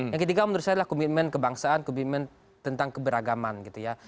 yang ketiga menurut saya adalah komitmen kebangsaan komitmen tentang keberagaman gitu ya